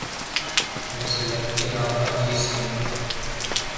ویسے لگتے آپ پچیس کے ہیں۔